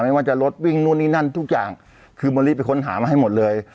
ไม่ว่าจะรถวิ่งนู่นนี่นั่นทุกอย่างคือมะลิไปค้นหามาให้หมดเลย